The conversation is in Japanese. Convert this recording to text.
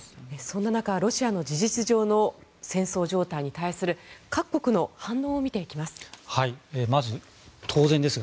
そんな中、ロシアの事実上の戦争状態に対する各国の反応を見ていきます。